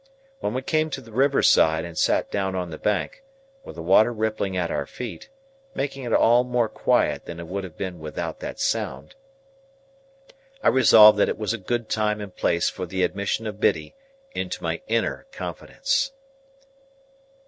When we came to the river side and sat down on the bank, with the water rippling at our feet, making it all more quiet than it would have been without that sound, I resolved that it was a good time and place for the admission of Biddy into my inner confidence.